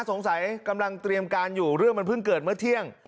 กำลังเตรียมการอยู่เรื่องมันเพิ่งเกิดเมื่อเที่ยง